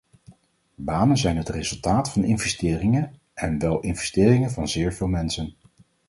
Banen zijn het resultaat van investeringen, en wel investeringen van zeer veel mensen.